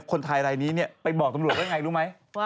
คนไทยไหล่นี้เนี่ยไปบอกตำรวจว่าไงรู้ไหม